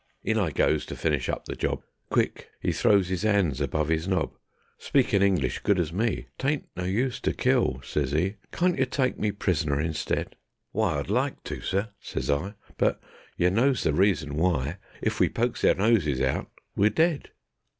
In I goes to finish up the job. Quick 'e throws 'is 'ands above 'is nob; Speakin' English good as me: "'Tain't no use to kill," says 'e; "Can't yer tyke me prisoner instead?" "Why, I'd like to, sir," says I; "But yer knows the reason why: If we pokes our noses out we're dead.